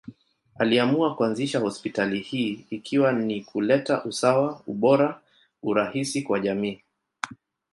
Aliamua kuanzisha hospitali hii ikiwa ni kuleta usawa, ubora, urahisi kwa jamii.